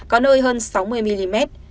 có nơi hơn sáu mươi mm